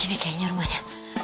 ini kayaknya rumahnya